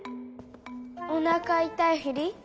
おなかいたいふり？